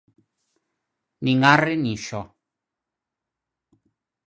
Nin arre nin xo